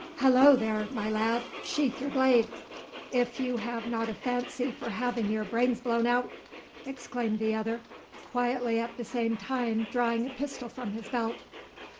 "Halloo there, my lad, sheathe your blade, if you have not a fancy for having your brains blown out!" exclaimed the other, quietly at the same time drawing a pistol from his belt.